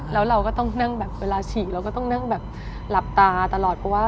แล้วเราก็ต้องนั่งแบบเวลาฉีกเราก็ต้องนั่งแบบหลับตาตลอดเพราะว่า